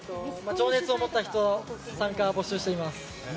情熱を持った人参加募集しております。